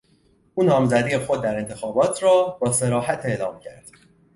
او نامزدی خود در انتخابات را با صراحت اعلام کرد.